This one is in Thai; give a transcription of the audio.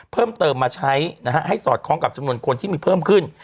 เพิ่มเติมมาใช้นะฮะให้สอดคล้องกับจำนวนคนที่มีเพิ่มขึ้น